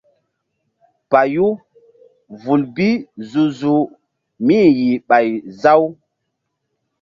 Payu vul bi zu-zuh mí-i yih ɓay za-u.